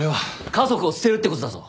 家族を捨てるってことだぞ！